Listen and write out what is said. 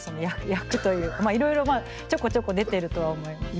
役というかいろいろまあちょこちょこ出てるとは思います。